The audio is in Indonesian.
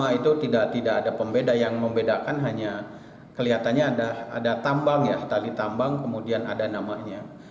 karena itu tidak ada pembeda yang membedakan hanya kelihatannya ada tambang ya tali tambang kemudian ada namanya